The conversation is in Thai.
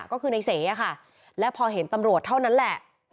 ก็คือในเสค่ะและพอเห็นตำรวจเท่านั้นแหละ